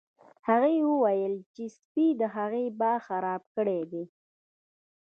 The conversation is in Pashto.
هغې وویل چې سپي د هغې باغ خراب کړی دی